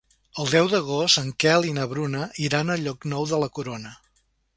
El deu d'agost en Quel i na Bruna iran a Llocnou de la Corona.